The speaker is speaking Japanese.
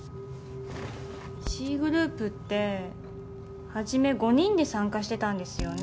Ｃグループって初め５人で参加してたんですよね。